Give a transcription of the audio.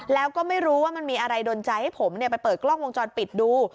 แล้วก็ไม่รู้ว่ามันมีอะไรโดนใจให้ผมไปเปิดกล้องวงจรปิดดู